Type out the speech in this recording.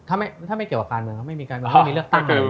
ถ้าไม่เกี่ยวกับการเมืองไม่มีเลือกตั้งอะไรอย่างนี้